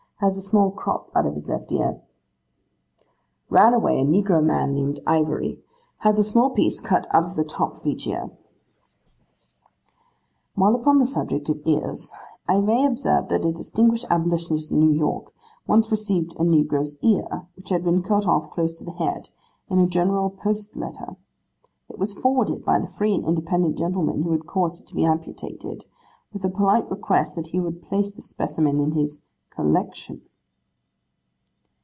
Has a small crop out of his left ear.' 'Ran away, a negro man, named Ivory. Has a small piece cut out of the top of each ear.' While upon the subject of ears, I may observe that a distinguished abolitionist in New York once received a negro's ear, which had been cut off close to the head, in a general post letter. It was forwarded by the free and independent gentleman who had caused it to be amputated, with a polite request that he would place the specimen in his 'collection.